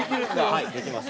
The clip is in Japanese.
できます。